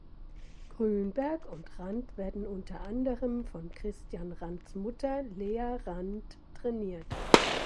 Grünberg und Rand werden unter anderem von Kristian Rands Mutter Lea Rand trainiert.